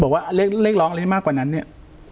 บอกว่าเรียกร้องอะไรได้มากกว่านั้นเนี่ย